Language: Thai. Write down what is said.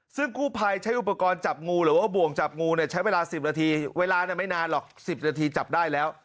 ซึ่งกู้ภัยใช้อุปกรณ์จับงูหรือว่าบ่วงจับงูเนี่ยใช้เวลา๑๐นาทีเวลาไม่นานหรอก๑๐นาทีจับได้แล้ว